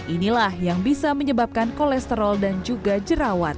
inilah yang bisa menyebabkan kolesterol dan juga jerawat